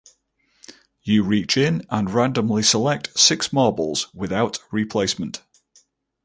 You reach in and randomly select six marbles without replacement.